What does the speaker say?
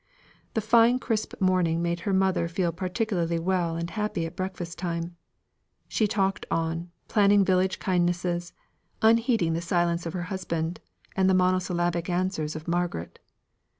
The fine crisp morning made her mother feel particularly well and happy at breakfast time. She talked on, planning village kindness, unheeding the silence of her husband and the monosyllabic answers of Margaret.